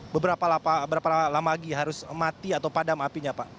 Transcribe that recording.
beberapa lama lagi harus mati atau padam apinya pak